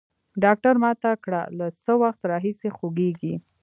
ډاکتر ما ته کړه له څه وخت راهيسي خوږېږي.